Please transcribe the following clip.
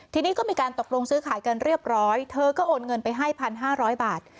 ทีนี้ก็มีการตกลงซื้อขายกันเรียบร้อยเธอก็โอนเงินไปให้๑๕๐๐บาท